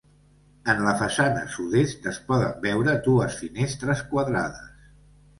En la façana sud-est es poden veure dues finestres quadrades.